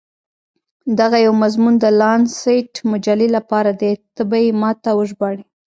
دغه یو مضمون د لانسیټ مجلې لپاره دی، ته به يې ما ته وژباړې.